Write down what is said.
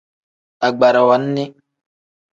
Agbarawa nni.